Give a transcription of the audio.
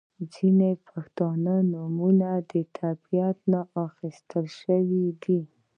• ځینې پښتو نومونه د طبیعت نه اخستل شوي دي.